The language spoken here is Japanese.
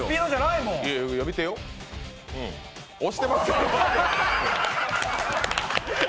押してますね。